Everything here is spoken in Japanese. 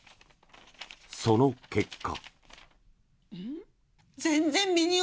その結果。